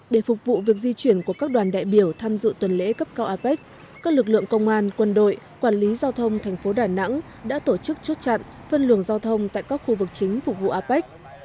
để phục vụ việc di chuyển của các đoàn đại biểu tham dự tuần lễ cấp cao apec các lực lượng công an quân đội quản lý giao thông thành phố đà nẵng đã tổ chức chốt chặn phân luồng giao thông tại các khu vực chính phục vụ apec